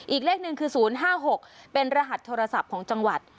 อีกเลขหนึ่งคือ๐๕๖เป็นรหัสโทรศัพท์ของจังหวัด